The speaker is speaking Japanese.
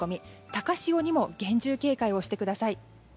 高潮にも厳重警戒してください。